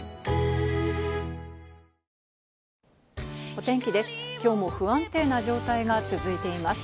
お天気です。